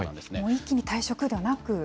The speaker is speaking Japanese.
一気に退職ではなく。